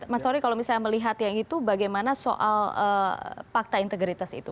mas tory kalau misalnya melihat yang itu bagaimana soal fakta integritas itu